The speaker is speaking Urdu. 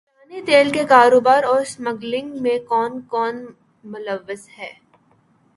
ایرانی تیل کے کاروبار اور اسمگلنگ میں کون کون ملوث ہے